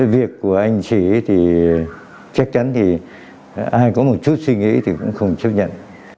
việc của anh sĩ thì chắc chắn thì ai có một chút suy nghĩ thì cũng không chấp nhận